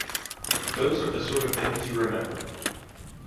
Those are the sort of things you remember.